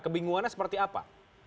kebingungannya seperti apa